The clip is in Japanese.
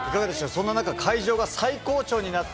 そんな中、会場が最高潮になった